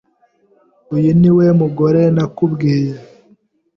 Uyu niwe mugore nakubwiye.